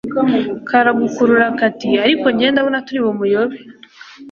karagukurura kati ariko njye ndabona turi mubuyobe